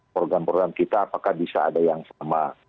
program program kita apakah bisa ada yang sama